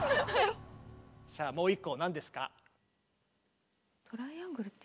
さあもう１個何ですか？